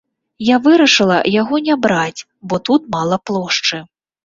Я вырашыла яго не браць, бо тут мала плошчы.